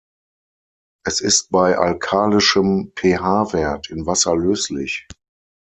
Es ist bei alkalischem pH-Wert in Wasser löslich.